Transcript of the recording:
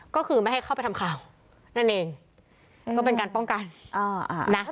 ก็คือไม่ให้เข้าไปทำข่าวนั่นเองก็เป็นการป้องกันอ่านะ